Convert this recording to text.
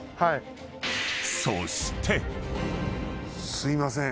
すいません。